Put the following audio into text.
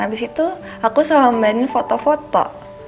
abis itu aku sama mbak anin foto foto